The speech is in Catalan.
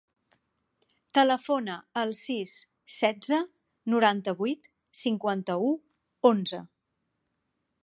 Telefona al sis, setze, noranta-vuit, cinquanta-u, onze.